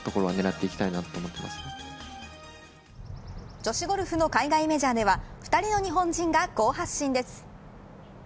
女子ゴルフの海外メジャーでは２人の日本人が好発進です。